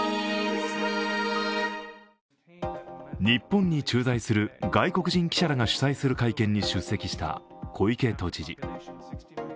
日本に駐在する外国人記者らが主催する会見に出席した小池都知事。